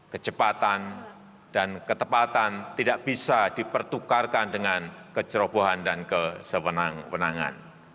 kecepatan dan ketepatan tidak bisa dipertukarkan dengan kecerobohan dan kesewenang wenangan